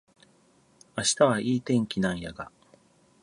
明日はいい天気なんやが